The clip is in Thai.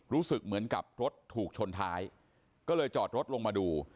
รู้สึกเหมือนกับรถถูกชนท้ายก็เลยจอดรถลงมาดู